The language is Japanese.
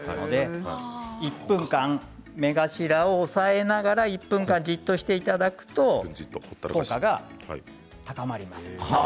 １分間、目頭を押さえながら１分間じっとしていただくと効果が高まります。